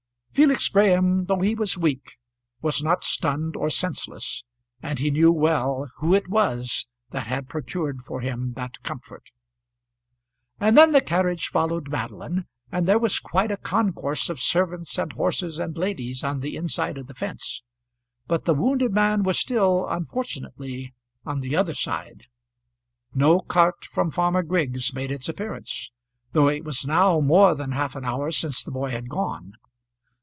Felix Graham, though he was weak, was not stunned or senseless, and he knew well who it was that had procured for him that comfort. And then the carriage followed Madeline, and there was quite a concourse of servants and horses and ladies on the inside of the fence. But the wounded man was still unfortunately on the other side. No cart from Farmer Griggs made its appearance, though it was now more than half an hour since the boy had gone.